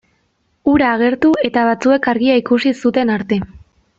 Hura agertu eta batzuek argia ikusi zuten arte.